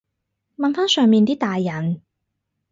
問返上面啲大人